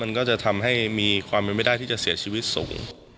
มันก็จะทำให้มีความเป็นไม่ได้ที่จะเสียชีวิตสูง